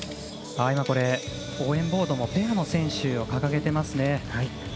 応援ボードもペアの選手を掲げていますね。